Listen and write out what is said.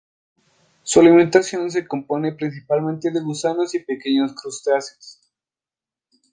Su alimentación se compone principalmente de gusanos y pequeños crustáceos.